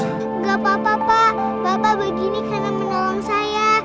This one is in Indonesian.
tidak apa apa pak bapak begini karena menolong saya